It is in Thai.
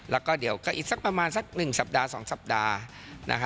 และเดี๋ยวก็อีกประมาณสัก๑๒สัปดาห์